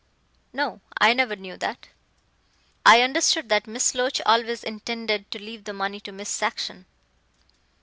"No, I never knew that. I understood that Miss Loach always intended to leave the money to Miss Saxon."